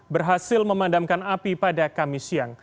berhasil memadamkan api pada kamis siang